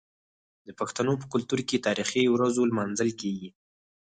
د پښتنو په کلتور کې د تاریخي ورځو لمانځل کیږي.